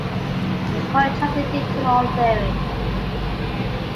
It contradicted all theory.